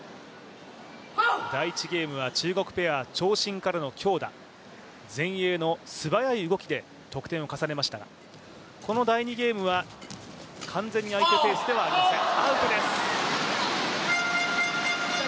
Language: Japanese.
第１ゲームは中国ペア、長身からの強打、前衛の素早い動きで得点を重ねましたが、この第２ゲームは完全に相手ペースではありません。